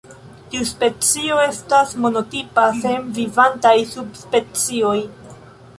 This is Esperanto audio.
Tiu specio estas monotipa sen vivantaj subspecioj.